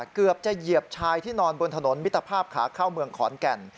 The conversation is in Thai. เกือบจะเหยียบชายที่นอนบนถนนมิตรภาพขาเข้าเมืองขอนแก่น